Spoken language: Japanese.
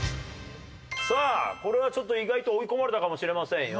さあこれはちょっと意外と追い込まれたかもしれませんよ。